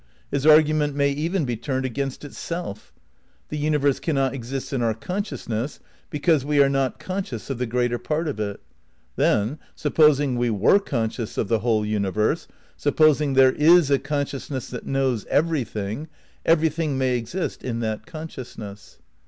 His argument may even be turned against himself. The universe cannot exist in our consciousness because we are not conscious of the greater part of it. Then, supposing we were conscious of the whole universe, supposing there is a conscious ness that knows everything, everything may exist in that consciousness.